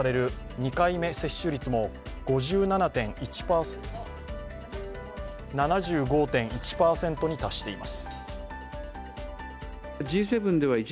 ２回目接種率も７５．１％に達しています。